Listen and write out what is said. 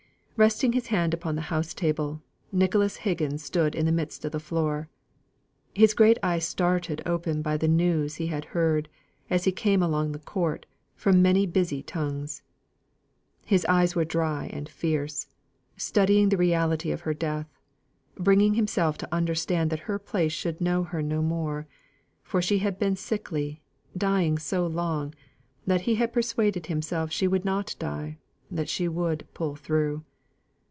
Resting his hand upon the house table, Nicholas Higgins stood in the midst of the floor; his great eyes startled open by the news he had heard, as he came along the court, from many busy tongues. His eyes were dry and fierce; studying the reality of her death; bringing himself to understand that her place should know her no more. For she had been sickly, dying so long, that he had persuaded himself she would not die; that she would "pull through."